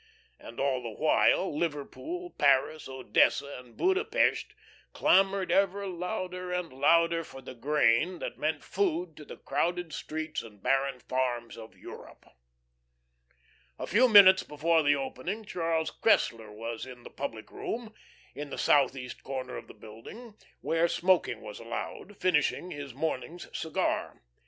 And all the while, Liverpool, Paris, Odessa, and Buda Pesth clamoured ever louder and louder for the grain that meant food to the crowded streets and barren farms of Europe. A few moments before the opening Charles Cressler was in the public room, in the southeast corner of the building, where smoking was allowed, finishing his morning's cigar.